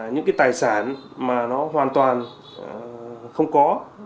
những cái tài sản mà nó hoàn toàn không có